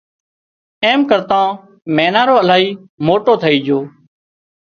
ايم ڪرتان مينارو الاهي موٽو ٿئي جھو